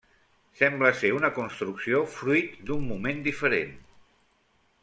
Sembla ser una construcció fruit d'un moment diferent.